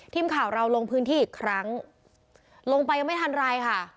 ทีมข่าวเราลงพื้นที่อีกครั้งลงไปยังไม่ทันไรค่ะ